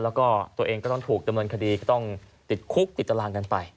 แล้วก็ตัวเองก็ต้องถูกดำเนินคดีก็ต้องติดคุกติดตารางกันไป